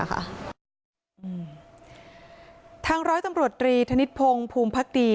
ทางร้อยตำรวจตรีธนิษฐพงศ์ภูมิพักดี